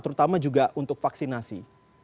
terutama juga untuk vaksinasi